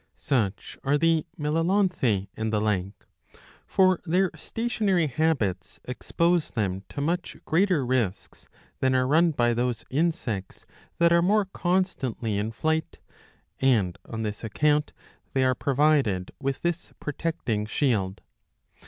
Such are the Melalonthae^ and the like. For their stationary habits expose them to much greater risks than are run by those insects that are more constantly in flight, and on this account they are provided with this protecting shield.